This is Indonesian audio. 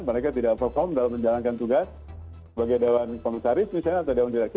mereka tidak perform dalam menjalankan tugas sebagai dewan komisaris misalnya atau dewan direksi